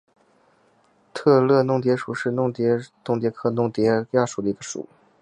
特乐弄蝶属是弄蝶科弄蝶亚科中的一个属。